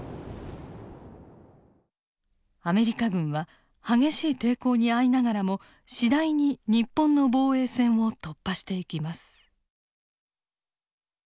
アメリカ軍は激しい抵抗に遭いながらも次第に日本の防衛線を突破していきます。